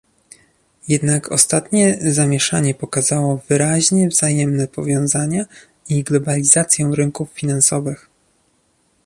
Jednak ostatnie zamieszanie pokazało wyraźnie wzajemne powiązania i globalizację rynków finansowych